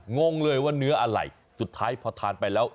งงเลยว่าเนื้ออะไรสุดท้ายพอทานไปแล้ว